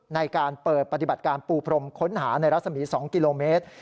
ในการเปิดปฏิบัติการปูพรมค้นหาในรัศมี๒กิโลเมตร